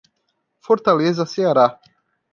Fortaleza, Ceará.